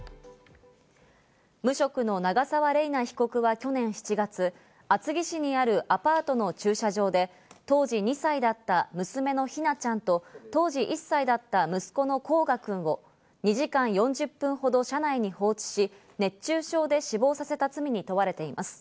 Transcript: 無職の長沢麗奈被告は去年７月、厚木市にあるアパートの駐車場で当時２歳だった娘の姫梛ちゃんと、当時１歳だった息子の煌翔くんを２時間４０分ほど車内に放置し、熱中症で死亡させた罪に問われています。